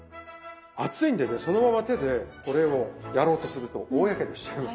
熱いんでそのまま手でこれをやろうとすると大やけどしちゃいます。